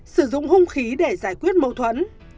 sử dụng hung khí để giải quyết mâu thuẫn